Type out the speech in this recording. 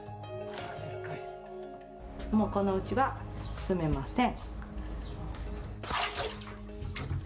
もう、このうちは住めません。